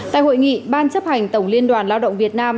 tại hội nghị ban chấp hành tổng liên đoàn lao động việt nam